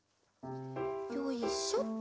よいしょっと。